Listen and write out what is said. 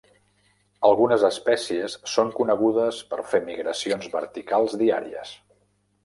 Algunes espècies són conegudes per fer migracions verticals diàries.